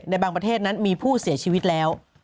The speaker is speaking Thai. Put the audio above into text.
ในบางประเทศนั้นมีผู้เสียชีวิตแล้ว